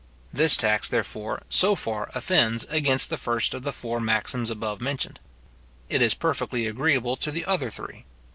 This tax, therefore, so far offends against the first of the four maxims above mentioned. It is perfectly agreeable to the other three.